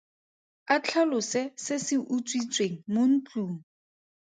A tlhalose se se utswitsweng mo ntlong.